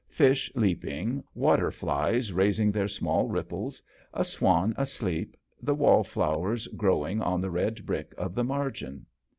fish leaping, water flies raising their small ripples, a swan asleep, the wallflowers growing on the red brick of the margin.